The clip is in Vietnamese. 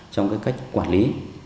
trong cái cách quản lý